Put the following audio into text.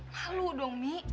malu dong mi